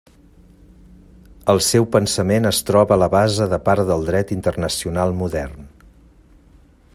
El seu pensament es troba a la base de part del dret internacional modern.